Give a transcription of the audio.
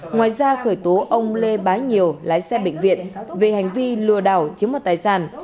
ngoài ra khởi tố ông lê bái nhiều lái xe bệnh viện vì hành vi lừa đảo chiếm một tài sản